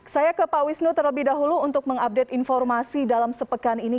saya ke pak wisnu terlebih dahulu untuk mengupdate informasi dalam sepekan ini